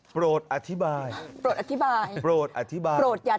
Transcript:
โปรดอธิบายโปรดอย่าถามโปรดอธิบายโปรดอธิบาย